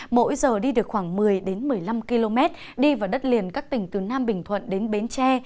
mỗi giờ đi được khoảng một mươi một mươi năm km đi vào đất liền các tỉnh từ nam bình thuận đến bến tre